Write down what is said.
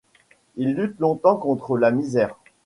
Il lutte longtemps contre la misère.